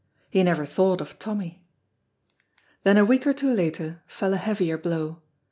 He never thought of Tommy. Then a week or two later fell a heavier blow.